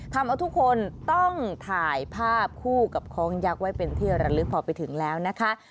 ทำเอาทุกคนต้องถ่ายภาพคู่กับคล้องยักษ์ไว้เป็นที่ระลึกพอไปถึงแล้วนะคะ